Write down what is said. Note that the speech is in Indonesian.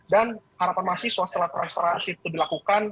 dan harapan mahasiswa setelah transparansi itu dilakukan